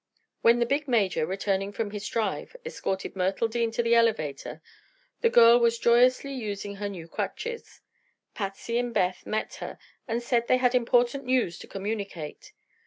When the big Major, returning from his drive, escorted Myrtle Dean to the elevator, the girl was joyously using her new crutches. Patsy and Beth met her and said they had important news to communicate.